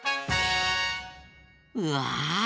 うわ！